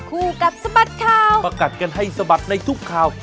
คู่กัดสะบัดข่าวประกัดกันให้สะบัดในทุกข่าว